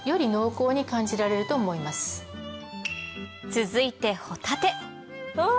続いてホタテうわ！